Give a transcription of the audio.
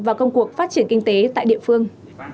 và công cuộc phát triển kinh tế tại địa phương